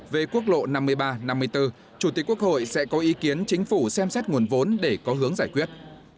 về quốc lộ năm mươi ba năm mươi bốn chủ tịch quốc hội sẽ có ý kiến chính phủ xem xét nguồn vốn để có hướng giải quyết